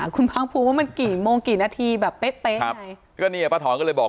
คุณภาคภูมิว่ามันกี่โมงกี่นาทีแบบเป๊ะเป๊ะยังไงก็เนี่ยป้าถอนก็เลยบอก